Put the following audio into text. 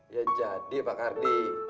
ya jadi pak ardi